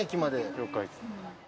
了解。